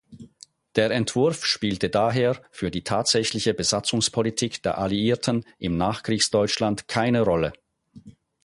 Der Entwurf spielte daher für die tatsächliche Besatzungspolitik der Alliierten im Nachkriegsdeutschland keine Rolle.